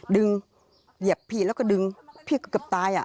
เหยียบพี่แล้วก็ดึงพี่เกือบตาย